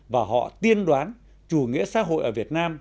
và họ tiên đoán chủ nghĩa xã hội ở việt nam